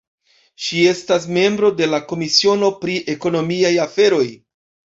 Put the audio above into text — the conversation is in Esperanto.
Ŝi estas membro de la komisiono pri ekonomiaj aferoj.